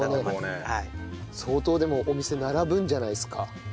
相当でもお店並ぶんじゃないですか？